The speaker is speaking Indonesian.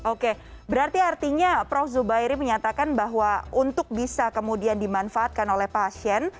oke berarti artinya prof zubairi menyatakan bahwa untuk bisa kemudian dimanfaatkan oleh pasien